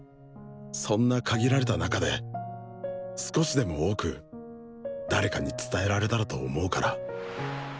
そんな限られた中で少しでも多く誰かに伝えられたらと思うから。